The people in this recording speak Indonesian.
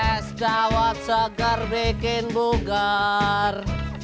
es dawat seger bikin bugar